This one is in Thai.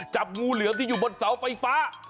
จับงูเหลือมที่อยู่บนเสาไฟฟ้า